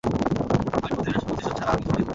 আমি প্রতিশোধ ছাড়া আর কিছু বুঝি না।